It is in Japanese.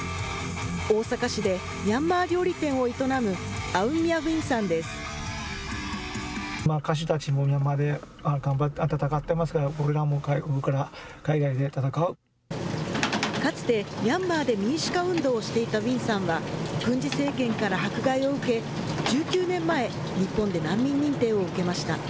大阪市でミャンマー料理店を営む、かつて、ミャンマーで民主化運動をしていたウィンさんは、軍事政権から迫害を受け、１９年前、日本で難民認定を受けました。